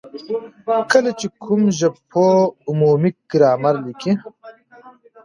کله چي کوم ژبپوه عمومي ګرامر ليکي،